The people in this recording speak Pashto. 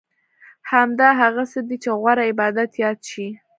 همدا هغه څه دي چې غوره عبادت یاد شوی.